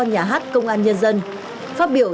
nhà hát công an nhân dân phát biểu